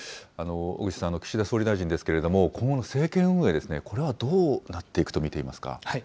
小口さん、岸田総理大臣ですけれども、今後の政権運営ですね、これはどうなっていくと見ていますか。